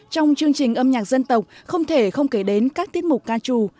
trong chương trình âm nhạc dân tộc không thể không kể đến các tiết mục ca trù